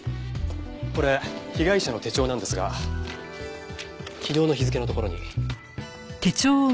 これ被害者の手帳なんですが昨日の日付のところに。